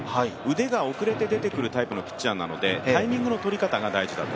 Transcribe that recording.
腕が遅れて出てくるピッチャーのタイプなのでタイミングの取り方が大事だと。